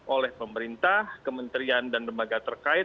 oleh pemerintah kementerian dan lembaga terkait